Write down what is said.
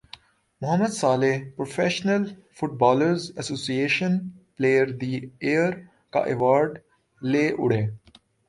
Muhammad Salah professional footballers association player the year کا award لے اڑے